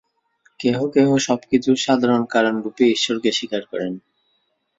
কেহ কেহ সব কিছুর সাধারণ কারণরূপে ঈশ্বরকে স্বীকার করেন।